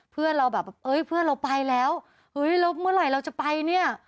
เพื่อนเราแบบเอ้ยเพื่อนเราไปแล้วเฮ้ยแล้วเมื่อไหร่เราจะไปเนี่ย